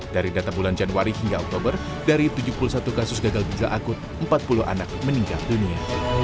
dari data bulan januari hingga oktober dari tujuh puluh satu kasus gagal ginjal akut empat puluh anak meninggal dunia